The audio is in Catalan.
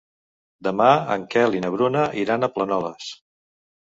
Demà en Quel i na Bruna aniran a Planoles.